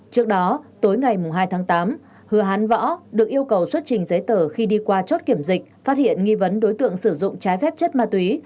trước đó tối ngày hai tháng tám hứa hán võ được yêu cầu xuất trình giấy tờ khi đi qua chốt kiểm dịch phát hiện nghi vấn đối tượng sử dụng trái phép chất ma túy